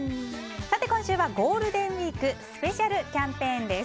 今週はゴールデンウィークスペシャルキャンペーンです。